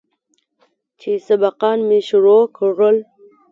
چې سبقان مې شروع کړل.